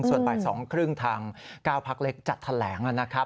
ส่วนบ่ายสองครึ่งทางเก้าพักเล็กจะแถลงนะครับ